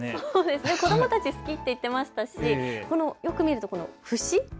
子どもたち好きって言っていましたしよく見ると節？